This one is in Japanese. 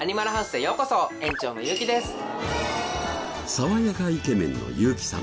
爽やかイケメンの優基さん。